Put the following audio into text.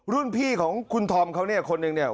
รุ่นพี่ของคุณธอมเขาเนี่ยคนหนึ่งเนี่ย